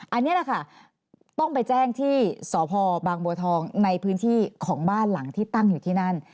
อันนี้แหละค่ะต้องไปแจ้งที่สพบางบัวทองในพื้นที่ของบ้านหลังที่ตั้งอยู่ที่นั่น